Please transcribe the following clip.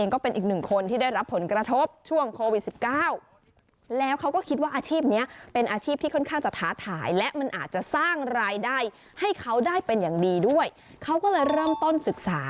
เขาได้เป็นอย่างดีด้วยเขาก็เลยเริ่มต้นศึกษา